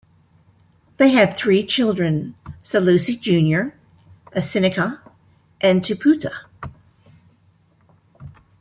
They had three children: Sailosi Junior Asenaca, and Tupoutu'a.